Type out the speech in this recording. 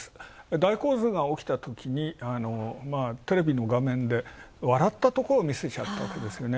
大洪水が起きたときに、テレビの画面で笑ったところを見せちゃったわけですよね。